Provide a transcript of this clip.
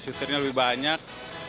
shooternya lebih banyak